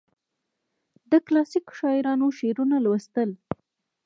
د کلاسیکو شاعرانو شعرونه لوستل.